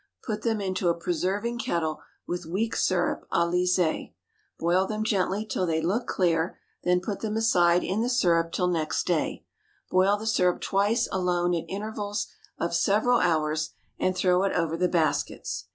Put them into a preserving kettle with weak syrup à lissé, boil them gently till they look clear, then put them aside in the syrup till next day; boil the syrup twice alone at intervals of several hours, and throw it over the baskets.